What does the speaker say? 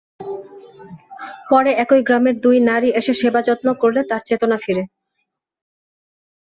পরে একই গ্রামের দুই নারী এসে সেবা-যত্ন করলে তাঁর চেতনা ফেরে।